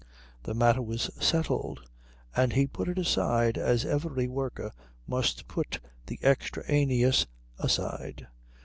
The matter was settled; and he put it aside as every worker must put the extraneous aside.